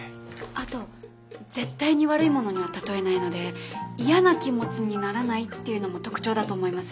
あと絶対に悪いものには例えないので嫌な気持ちにならないっていうのも特徴だと思います。